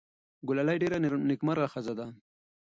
ګلالۍ ډېره نېکمرغه ښځه ده.